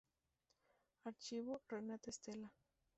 Archivo: Renata Stella.